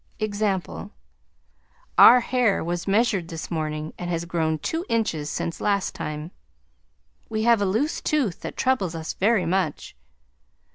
Example: Our hair was measured this morning and has grown two inches since last time.... We have a loose tooth that troubles us very much...